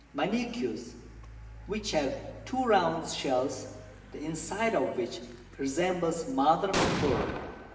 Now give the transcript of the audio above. Manegues, which have 2 round Shells, the inside of which resembles Mother of Pearl.